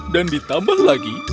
dan ditambah lagi